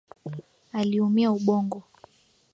Aliumia ubongo